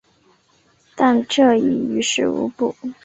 但这已于事无补。